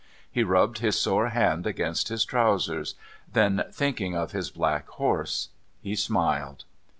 He rubbed his sore hand against his trousers; then, thinking of his black horse, he smiled.